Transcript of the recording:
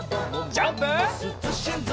ジャンプ！